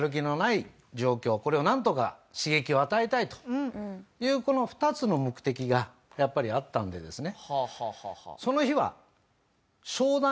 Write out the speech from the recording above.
これをなんとか刺激を与えたいというこの２つの目的がやっぱりあったんでですね。